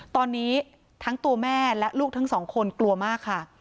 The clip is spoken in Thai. ตอนนี้ทั้งตัวแม่และลูกทั้งสองคนกลัวมากค่ะ